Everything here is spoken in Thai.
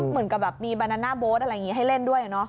เหมือนกับแบบมีบานาน่าโบ๊ทอะไรอย่างนี้ให้เล่นด้วยเนอะ